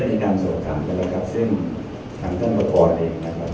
อ๋อได้มีการสอบถามกันแล้วครับซึ่งท่านท่านบริษัทเองนะครับ